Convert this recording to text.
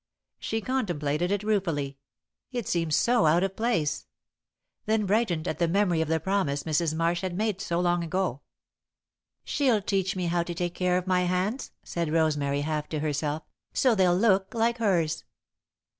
She contemplated it ruefully it seemed so out of place then brightened at the memory of the promise Mrs. Marsh had made so long ago. "She'll teach me how to take care of my hands," said Rosemary, half to herself, "so they'll look like hers."